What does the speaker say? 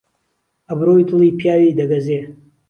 ئەبرۆی دڵی پیاوی دهگهزێ